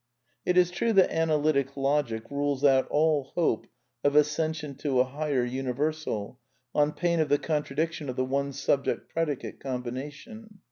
It is true that Analytic Logic rules out all hope of ascension to a highest universal, on pain of the contradic tion of the One Subject Predicate combination.